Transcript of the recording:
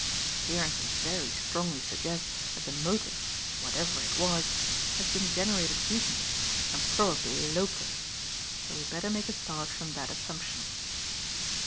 The appearances very strongly suggest that the motive, whatever it was, has been generated recently and probably locally. So we had better make a start from that assumption."